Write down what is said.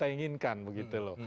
tapi yang kita inginkan begitu loh